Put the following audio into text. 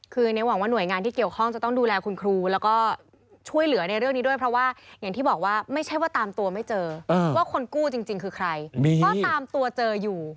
คือในหวังว่าหน่วยงานที่เกี่ยวข้องจะต้องดูแลคุณครูแล้วก็ช่วยเหลือในเรื่องนี้ด้วยเพราะว่าอย่างที่บอกว่าไม่ใช่ว่าตามตัวไม่เจอว่าคนกู้จริงคือใครก็ตามตัวเจออยู่